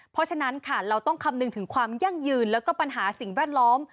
เพราะฉะนั้นค่ะเราต้องคำนึงถึงความยั่งยืนแล้วก็ปัญหาสิ่งแวดล้อม